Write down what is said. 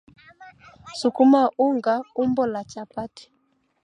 sukuma unga umbo la chapati